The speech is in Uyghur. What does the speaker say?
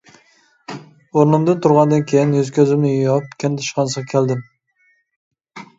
ئورنۇمدىن تۇرغاندىن كېيىن يۈز-كۆزۈمنى يۇيۇپ كەنت ئىشخانىسىغا كەلدىم.